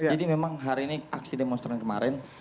jadi memang hari ini aksi demonstran kemarin